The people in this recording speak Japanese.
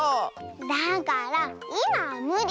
だからいまはむり。